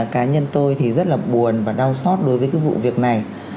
cá nhân tôi rất buồn và đau xót đối với vụ việc này